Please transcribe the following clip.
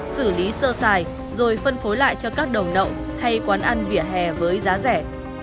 xử lý sơ xài rồi phân phối lại cho các đầu nậu hay quán ăn vỉa hè với giá rẻ